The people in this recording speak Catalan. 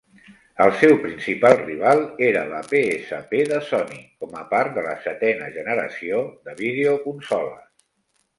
El seu principal rival era la PSP de Sony, com a part de la setena generació de videoconsoles.